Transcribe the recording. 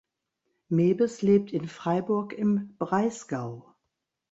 Mebes lebt in Freiburg im Breisgau.